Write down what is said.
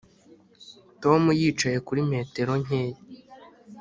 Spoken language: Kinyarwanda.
Tom yicaye kuri metero nkeya